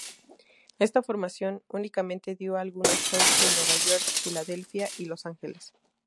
Esta formación únicamente dio algunos shows en Nueva York, Filadelfia y Los Ángeles.